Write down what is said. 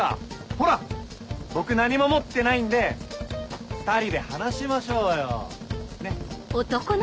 ほら僕何も持ってないんで２人で話しましょうよねっ。